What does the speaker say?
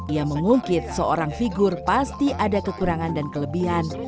ia mengungkit seorang figur pasti ada kekurangan dan kelebihan